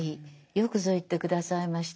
よくぞ言って下さいました。